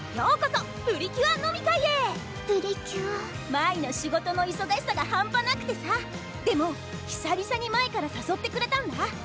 舞の仕事の忙しさが半端なくてさでも久々に舞から誘ってくれたんだ。